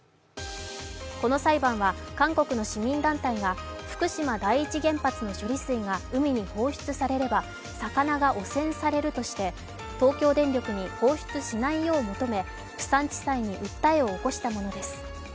この裁判は、韓国の市民団体が福島第一原発の処理水が海に放出されれば魚が汚染されるとして東京電力に放出しないよう求めプサン地裁に訴えを起こしたものです。